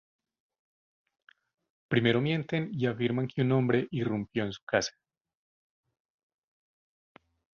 Primero mienten y afirman que un hombre irrumpió en su casa.